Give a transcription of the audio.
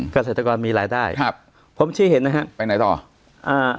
เกษตรกรมีรายได้ครับผมชี้เห็นนะฮะไปไหนต่ออ่า